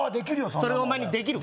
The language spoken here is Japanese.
それお前にできるか？